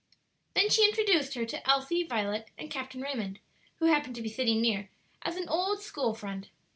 Then she introduced her to Elsie, Violet, and Captain Raymond, who happened to be sitting near, as an old school friend.